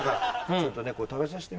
ちょっとねこれ食べさして。